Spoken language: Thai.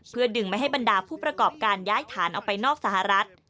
เพื่อดึงไม่ให้บรรดาผู้ประกอบการย้ายฐานออกไปนอกสหรัฐ